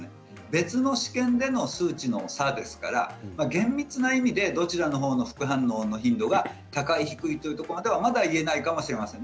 別の治験での数値の差ですから厳密な意味でどちらのほうの副反応の頻度が高い、低いというところまではまだ言えないかもしれません。